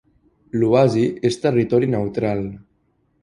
L'oasi és territori neutral.